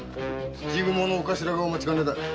土蜘蛛のお頭がお待ちかねだ。